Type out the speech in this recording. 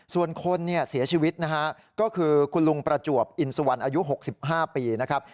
ส่วนคนเนี่ยเสียชีวิตนะฮะก็คือคุณลุงประจวบอินสุวรรณอายุ๖๕ปีนะครับ